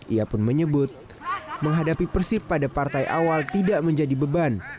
ia pun menyebut menghadapi persib pada partai awal tidak menjadi beban